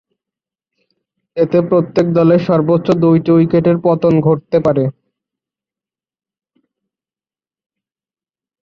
এতে প্রত্যেক দলের সর্বোচ্চ দুইটি উইকেটের পতন ঘটতে পারে।